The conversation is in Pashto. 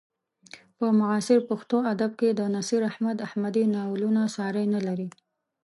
په معاصر پښتو ادب کې د نصیر احمد احمدي ناولونه ساری نه لري.